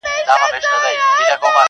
دا د بازانو د شهپر مېنه ده-